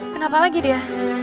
kenapa lagi dia